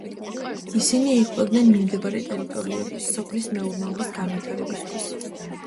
ისინი იღვწოდნენ მიმდებარე ტერიტორიების სოფლის მეურნეობის განვითარებისათვის.